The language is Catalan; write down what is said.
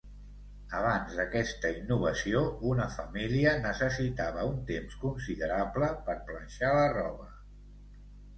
Abans d'aquesta innovació, una família necessitava un temps considerable per planxar la roba.